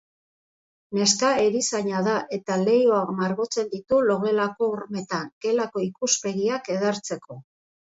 Neska erizaina da eta leihoak margotzen ditu logelako hormetan, gelako ikuspegiak edertzeko.